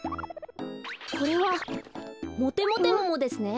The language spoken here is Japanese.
これはモテモテモモですね。